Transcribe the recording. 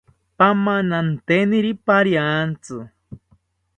Pamananteniri pariantzi